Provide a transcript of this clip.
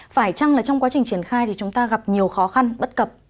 phải chăng là trong quá trình triển khai thì chúng ta gặp nhiều khó khăn bất cập